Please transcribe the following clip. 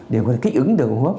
điều gọi là kích ứng đường hô hấp